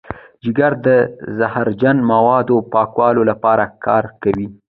جگر د زهرجن موادو پاکولو لپاره کار کوي.